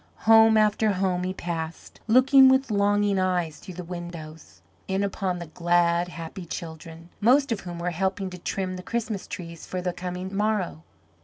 Home after home he passed, looking with longing eyes through the windows, in upon the glad, happy children, most of whom were helping to trim the Christmas trees for the coming morrow.